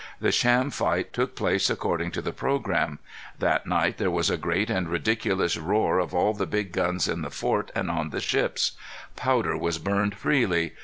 The sham fight took place according to the programme. That night there was a great and ridiculous roar of all the big guns in the fort and on the ships. Powder was burned freely.